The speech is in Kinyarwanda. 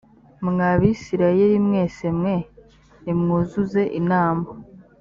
mwa bisirayeli mwese mwe nimwuzuze inama